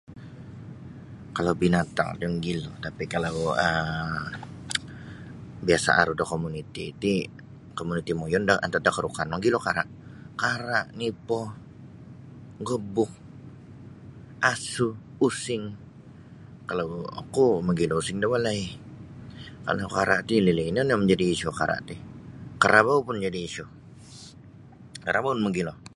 Kalau binatang ti mogilo tapi kalau um biasa' aru da komuniti ti komuniti muyun da antad da Karukan kara' nipo' gebuk asu using. Kalau oku mogilo using da walai kalau kara' ti ililih ino nio majadi isu kara' ti karabau pun majadi isu karabau pun mogilo.